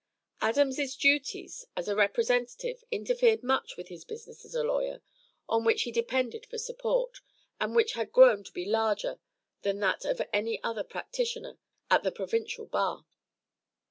Adams' duties as a Representative interfered much with his business as a lawyer, on which he depended for support, and which had grown to be larger than that of any other practitioner at the provincial bar.